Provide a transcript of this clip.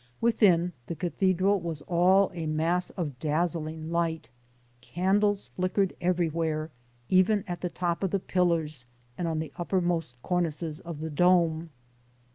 Within, the Cathedral was all a mass of dazzling light ; candles flickered everywhere, even at the top of the pillars and on the uppermost cornices of the dome.